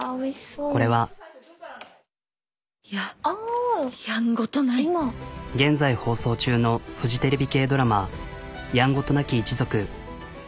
これは。ややんごとな現在放送中のフジテレビ系ドラマ「やんごとなき一族」。